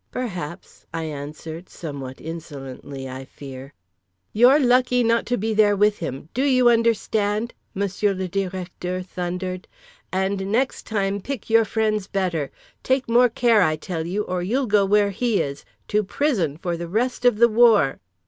"Perhaps," I answered, somewhat insolently I fear. "You're lucky not to be there with him! Do you understand?" Monsieur Le Directeur thundered, "and next time pick your friends better, take more care, I tell you, or you'll go where he is—TO PRISON FOR THE REST OF THE WAR!"